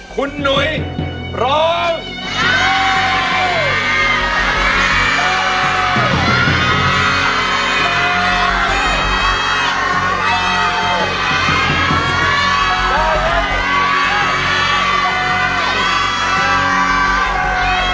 คุณหนุ่ยร้อง